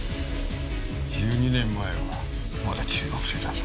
１２年前はまだ中学生だぞ。